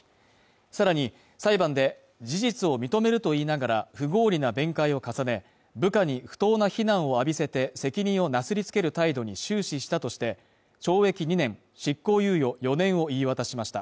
さらに裁判で事実を認めると言いながら、不合理な弁解を重ね、部下に不当な非難を浴びせて責任をなすりつける態度に終始したとして、懲役２年、執行猶予４年を言い渡しました。